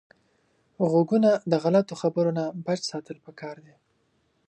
غوږونه د غلطو خبرو نه بچ ساتل پکار دي